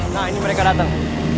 nah ini mereka datang